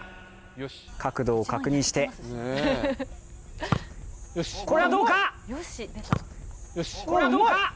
角度を確認してこれはどうか？